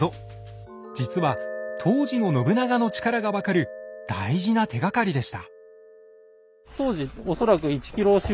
実は当時の信長の力が分かる大事な手がかりでした。